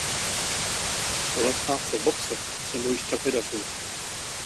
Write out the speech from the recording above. Po zastávce v boxech se mu již tak nedařilo.